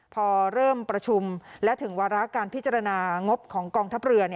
พอเริ่มประชุมและถึงวาระการพิจารณางบของกองทัพเรือ